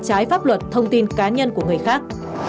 trái pháp luật thông tin cá nhân của người khác